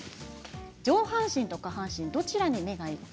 上半身と下半身どちらに目がいく？